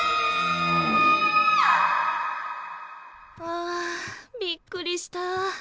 あびっくりした。